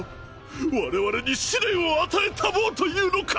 我々に試練を与えたもうというのか。